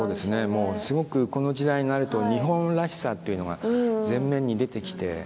もうすごくこの時代になると日本らしさっていうのが前面に出てきて。